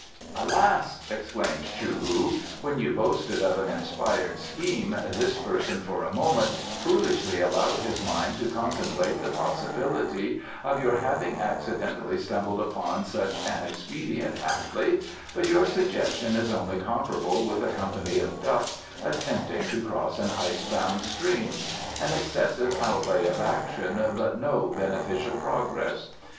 "Alas!" exclaimed Chou hu, "when you boasted of an inspired scheme this person for a moment foolishly allowed his mind to contemplate the possibility of your having accidentally stumbled upon such an expedient haply, but your suggestion is only comparable with a company of ducks attempting to cross an ice bound stream an excessive outlay of action but no beneficial progress.